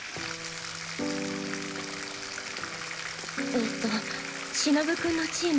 えっとシノブ君のチーム